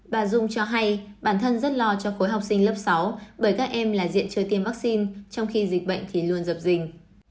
bà dung cho hay bản thân rất lo cho khối học sinh lớp sáu bởi các em là diện chơi tiêm vaccine trong khi dịch bệnh thì luôn dập dình